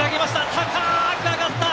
高く上がった！